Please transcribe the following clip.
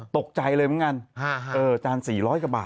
ตกใจเลยเหมือนกันจาน๔๐๐กว่าบาท